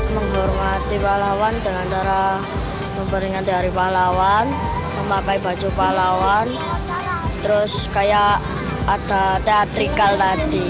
menghormati pahlawan dengan cara memperingati hari pahlawan memakai baju pahlawan terus kayak ada teatrikal tadi